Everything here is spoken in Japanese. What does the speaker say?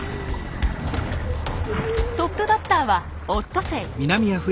トップバッターはオットセイ。